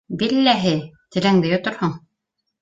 Билләһи, телеңде йоторһоң.